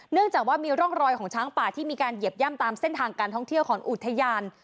จากว่ามีร่องรอยของช้างป่าที่มีการเหยียบย่ำตามเส้นทางการท่องเที่ยวของอุทยาน